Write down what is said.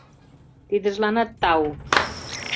— Тидыжланат тау!